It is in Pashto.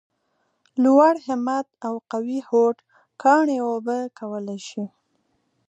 لوړ همت او قوي هوډ کاڼي اوبه کولای شي !